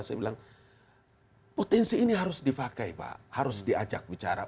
saya bilang potensi ini harus dipakai pak harus diajak bicara